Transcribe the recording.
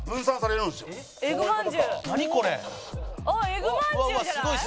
エグまんじゅうじゃない？